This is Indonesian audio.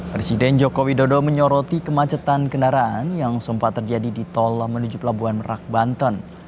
presiden jokowi dodo menyoroti kemacetan kendaraan yang sempat terjadi di tol menuju pelabuhan merak banten